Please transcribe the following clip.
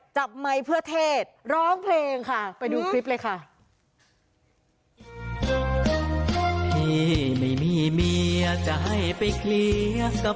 ไมค์เพื่อเทศร้องเพลงค่ะไปดูคลิปเลยค่ะ